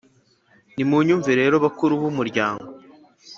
Nimunyumve rero, bakuru b’umuryango,